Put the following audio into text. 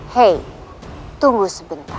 hey tunggu sebentar